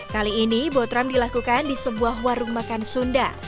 kali ini botram dilakukan di sebuah warung makan sunda